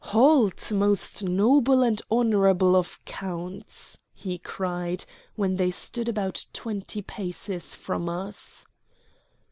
"Halt! most noble and honorable of counts," he cried when they stood about twenty paces from us.